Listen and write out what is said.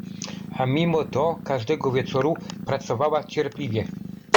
A mimo to każdego wieczoru pracowała cierpliwie.